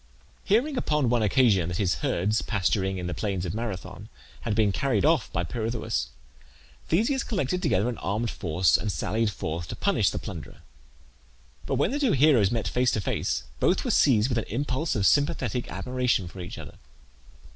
Hearing upon one occasion that his herds, pasturing in the plains of Marathon, had been carried off by Pirithoeus, Theseus collected together an armed force and sallied forth to punish the plunderer. But, when the two heroes met face to face, both were seized with an impulse of sympathetic admiration for each other.